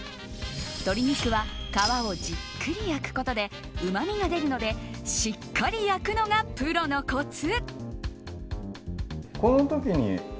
鶏肉は皮をじっくり焼くことでうまみが出るのでしっかり焼くのがプロのコツ。